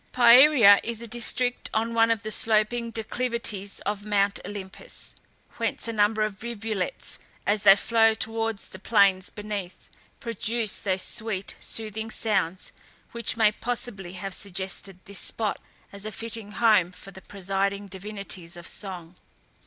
Pieria is a district on one of the sloping declivities of Mount Olympus, whence a number of rivulets, as they flow towards the plains beneath, produce those sweet, soothing sounds, which may possibly have suggested this spot as a fitting home for the presiding divinities of song.